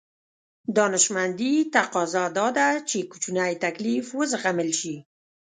دانشمندي تقاضا دا ده چې کوچنی تکليف وزغمل شي.